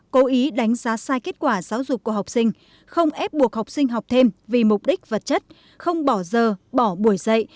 cố ý đánh giá sai kết quả giáo dục của học sinh không ép buộc học sinh học thêm vì mục đích vật chất không bỏ giờ bỏ buổi dạy